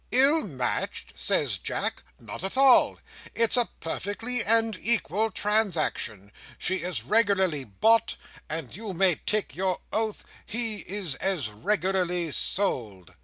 'Ill matched,' says Jack 'Not at all. It's a perfectly and equal transaction. She is regularly bought, and you may take your oath he is as regularly sold!